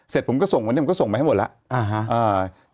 เสร็จผมก็ส่งวันนี้ผมก็ส่งไปให้หมดแล้ว